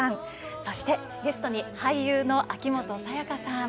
そして、ゲストに俳優の秋元才加さん。